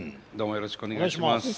よろしくお願いします。